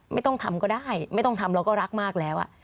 ไม่ต้องทำก็ได้ไม่ต้องทำเราก็รักมากแล้ว